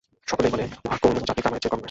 সকলেই বলে, উহা কোন জাতির কামানের চেয়ে কম নয়।